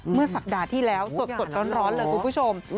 เมื่อสัปดาห์ที่แล้วสดร้อนเลยคุณผู้ชม